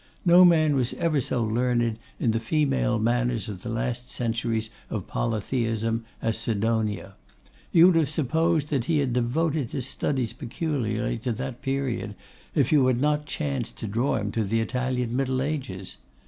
No man was ever so learned in the female manners of the last centuries of polytheism as Sidonia. You would have supposed that he had devoted his studies peculiarly to that period if you had not chanced to draw him to the Italian middle ages.